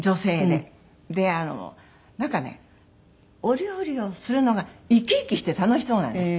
でなんかねお料理をするのが生き生きして楽しそうなんです。